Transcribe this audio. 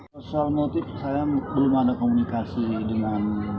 soal motif saya belum ada komunikasi dengan